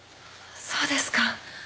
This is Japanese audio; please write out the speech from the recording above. そうですか。